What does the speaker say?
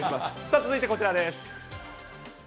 続いてこちらです。